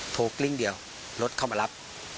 กลิ้งเดียวรถเข้ามารับ